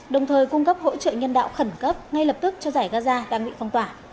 đồng thời cung cấp hỗ trợ nhân đạo khẩn cấp ngay lập tức cho giải gaza đang bị phong tỏa